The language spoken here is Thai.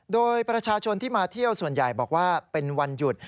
โดยประชาชนที่มาเที่ยวส่วนใหญ่บอกว่าเป็นวันหยุด